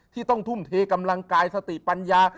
ที่ต้องทุ่มเทกำลังกายสติปัญญา